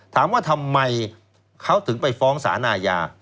ถามว่าทำไมเขาถึงไปฟ้องสารอาญา